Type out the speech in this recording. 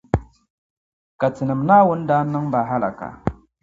Ka Tinim’ Naawuni daa niŋ ba halaka.